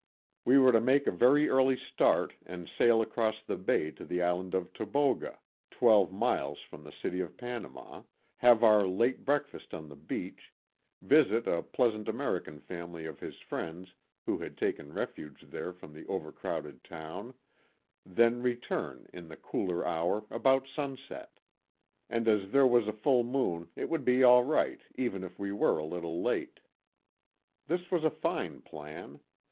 We were to make a very early start and sail across the bay to the Island of Taboga, twelve miles from the City of Panama ; have our late A PICNIC NEAR THE EQUATOR. 53 breakfast on the beach ; visit a pleasant Ameri can family of his friends who had taken refuge there from the over crowded town, then return in the cooler hour about sunset. And as there was a full moon it would be all right even if we were a little late. This was a fine plan.